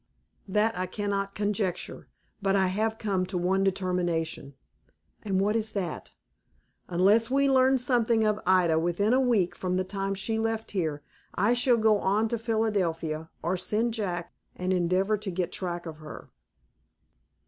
"That I cannot conjecture; but I have come to one determination." "And what is that?" "Unless we learn something of Ida within a week from the time she left here, I shall go on to Philadelphia, or send Jack, and endeavor to get track of her."